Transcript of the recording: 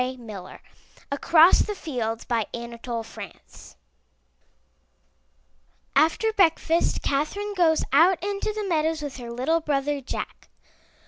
yHi^>{ ACROSS THE FIELDS^ Anatole France After breakfast Catherine goes out into the meadows with her little brother Jack.